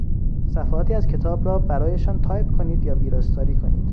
صفحاتی از کتاب را برایشان تایپ کنید یا ویراستاری کنید.